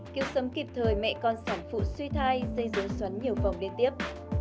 kiêu sấm kịp thời mẹ con sản phụ suy thai dây dối xoắn nhiều vòng liên tiếp